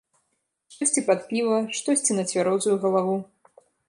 Штосьці пад піва, штосьці на цвярозую галаву.